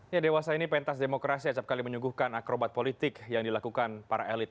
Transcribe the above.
ya dewasa ini pentas demokrasi acapkali menyuguhkan akrobat politik yang dilakukan para elit